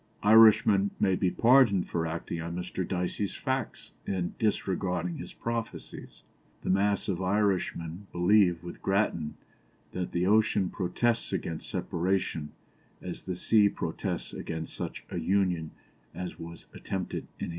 Irishmen may be pardoned for acting on Mr. Dicey's facts, and disregarding his prophecies. The mass of Irishmen believe, with Grattan, that the ocean protests against separation as the sea protests against such a union as was attempted in 1800.